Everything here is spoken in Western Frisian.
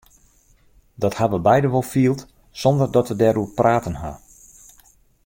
Dat ha we beide wol field sonder dat we dêroer praten ha.